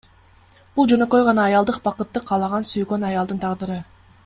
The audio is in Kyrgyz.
Бул жөнөкөй гана аялдык бакытты каалаган сүйгөн аялдын тагдыры.